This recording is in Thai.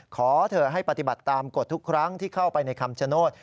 ขอเถอะให้ปฏิบัติตามกฎทุกครั้งที่เข้าไปในคำชโนธ